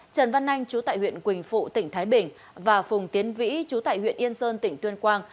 trần văn anh chú tại huyện quỳnh phụ tỉnh thái bình và phùng tiến vĩ chú tại huyện yên sơn tỉnh tuyên quang